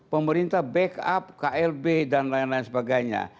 pemerintah backup klb dan lain lain sebagainya